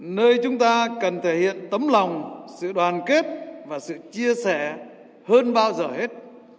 nơi chúng ta cần thể hiện tấm lòng sự đoàn kết và sự chia sẻ hơn bao giờ hết